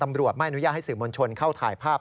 ไม่อนุญาตให้สื่อมวลชนเข้าถ่ายภาพ